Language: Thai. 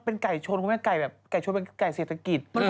เป็นไก่ชวนคุณแม่ไก่แบบไก่เศรษฐกิจ